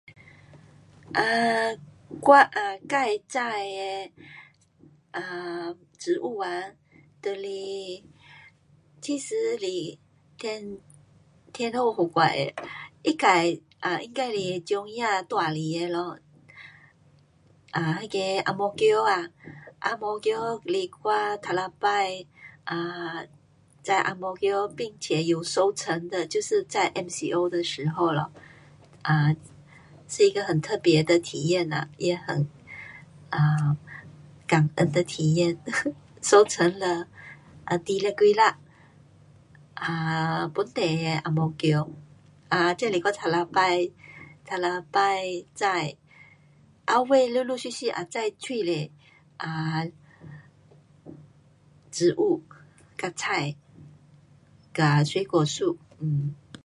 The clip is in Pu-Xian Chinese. [um]我呀自种的 ，[um]植物啊，就是，其实是天，天主给我的。他自应该是鸟儿带来的咯。[um]那个红毛茄啊，红毛茄是我第一次[um]种红毛茄并且有收成的，就是在MCO的时候咯，是一个很特别的体验呐，也很[um]感恩的体验。[um]收成了二十几粒本地的红毛茄，这是我第一次，第一次种，后尾全部小小样种蛮多，[um]植物跟菜跟水果树。[um]